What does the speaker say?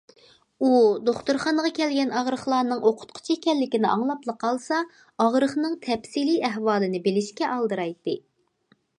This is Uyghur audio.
ئۇ دوختۇرخانىغا كەلگەن ئاغرىقلارنىڭ ئوقۇتقۇچى ئىكەنلىكىنى ئاڭلاپلا قالسا، ئاغرىقنىڭ تەپسىلىي ئەھۋالىنى بىلىشكە ئالدىرايتتى.